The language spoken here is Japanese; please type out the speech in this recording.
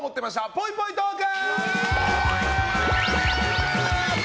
ぽいぽいトーク！